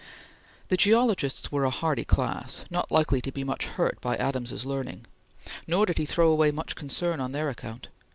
The geologists were a hardy class, not likely to be much hurt by Adams's learning, nor did he throw away much concern on their account.